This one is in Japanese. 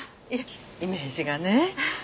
いえイメージがね。